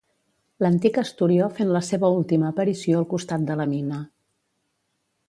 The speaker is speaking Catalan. L'antic Esturió fent la seva última aparició al costat de la mina.